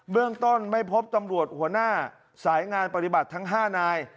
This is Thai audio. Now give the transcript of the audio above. เรื่องต้นไม่พบตำรวจหัวหน้าสายงานปฏิบัติทั้ง๕นาย